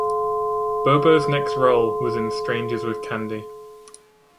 Bobo's next role was in "Strangers with Candy".